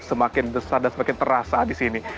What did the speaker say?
semakin besar dan semakin terasa di sini